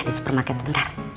di supermarket bentar